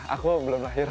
aku belum lahir